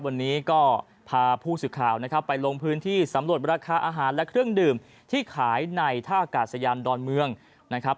วันนี้ก็พาผู้สื่อข่าวนะครับไปลงพื้นที่สำรวจราคาอาหารและเครื่องดื่มที่ขายในท่าอากาศยานดอนเมืองนะครับ